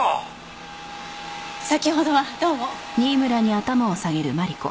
先ほどはどうも。